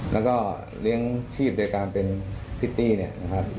แล้วก็เลี้ยงชีวิตโดยการณ์เป็นเป็นพริตตี้นะครับ